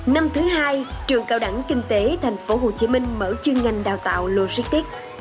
năm thứ hai trường cao đẳng kinh tế thành phố hồ chí minh mở chương ngành đào tạo logistics